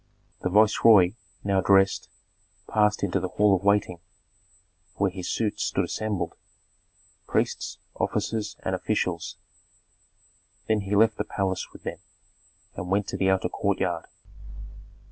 The viceroy, now dressed, passed into the hall of waiting, where his suite stood assembled, priests, officers, and officials. Then he left the palace with them, and went to the outer courtyard.